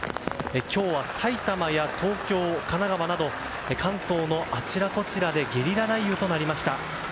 今日は埼玉や東京、神奈川など関東のあちらこちらでゲリラ雷雨となりました。